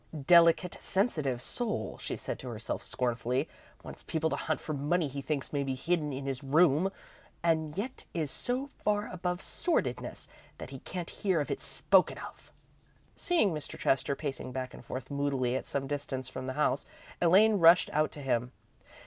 "Delicate, sensitive soul," she said to herself, scornfully. "Wants people to hunt for money he thinks may be hidden in his room, and yet is so far above sordidness that he can't hear it spoken of!" Seeing Mr. Chester pacing back and forth moodily at some distance from the house, Elaine rushed out to him.